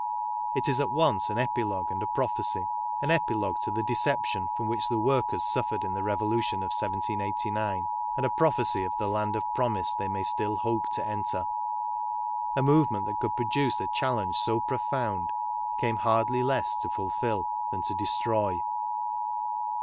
It is at once an epilogue and a prophecy — an epilogue to the deception from which the workers suffered in the Revolution of 1789, and a prophecy of the land of promise they may still hope to enter. A movement that could produce a challenge so profound came hardly less to fulfil than to destroy.